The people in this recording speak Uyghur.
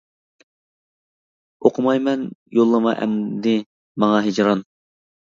ئوقۇمايمەن يوللىما ئەمدى ماڭا ھىجران!